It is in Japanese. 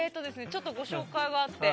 ちょっとご紹介があって。